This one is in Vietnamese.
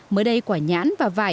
mới đây quả nhãn và vải